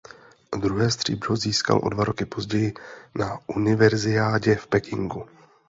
Druhé stříbro získal o dva roky později na univerziádě v Pekingu.